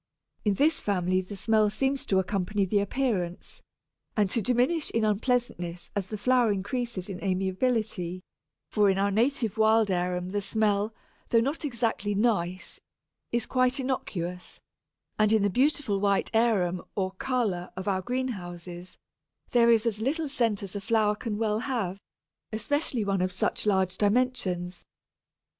In this family the smell seems to accompany the appearance, and to diminish in unpleasantness as the flower increases in amiability; for in our native wild Arum the smell, though not exactly nice, is quite innocuous, and in the beautiful white Arum or Calla of our greenhouses there is as little scent as a flower can well have, especially one of such large dimensions.